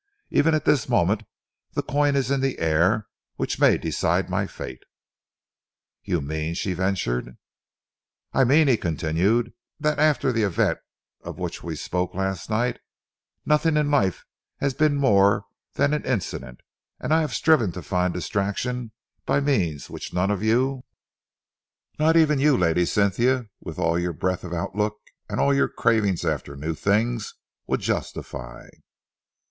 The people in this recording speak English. Even at this moment, the coin is in the air which may decide my fate." "You mean?" she ventured. "I mean," he continued, "that after the event of which we spoke last night, nothing in life has been more than an incident, and I have striven to find distraction by means which none of you not even you, Lady Cynthia, with all your breadth of outlook and all your craving after new things would justify."